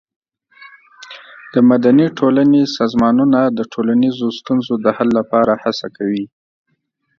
د مدني ټولنې سازمانونه د ټولنیزو ستونزو د حل لپاره هڅه کوي.